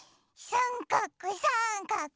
さんかくさんかく。